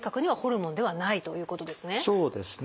そうですね。